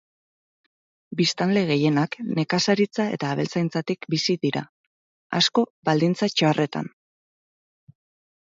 Biztanle gehienak nekazaritza eta abeltzaintzatik bizi dira, asko baldintza txarretan.